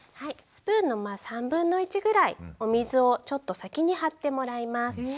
スプーンの３分の１ぐらいお水をちょっと先に張ってもらいます。